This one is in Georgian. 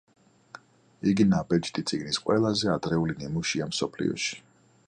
იგი ნაბეჭდი წიგნის ყველაზე ადრეული ნიმუშია მსოფლიოში.